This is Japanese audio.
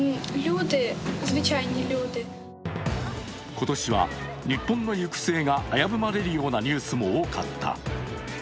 今年は日本の行く末が危ぶまれるニュースも多かった。